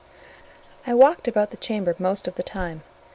I walked about the chamber most of the time.